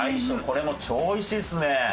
これも超おいしいですね。